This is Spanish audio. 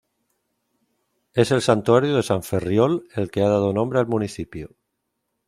Es el Santuario de San Ferriol el que ha dado nombre al municipio.